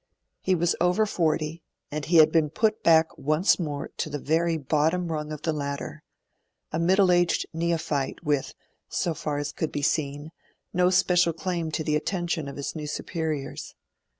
He was over forty, and he had been put back once more to the very bottom rung of the ladder a middle aged neophyte with, so far as could be seen, no special claim to the attention of his new superiors.